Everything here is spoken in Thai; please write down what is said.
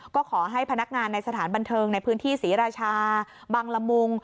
ก็ขอให้พนักงานในสถานบันเทิงในพื้นที่ศรีราชาบังละมุง